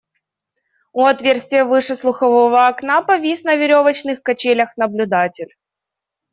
У отверстия выше слухового окна повис на веревочных качелях наблюдатель.